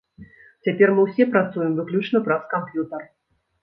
Цяпер мы ўсе працуем выключна праз камп'ютар.